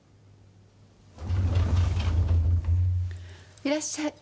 いらっしゃい。